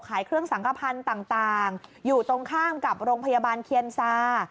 ขายเครื่องสังขพันธ์ต่างอยู่ตรงข้ามกับโรงพยาบาลเคียนซา